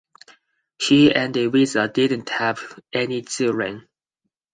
He and Eliza did not have any children.